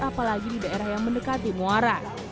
apalagi di daerah yang mendekati muara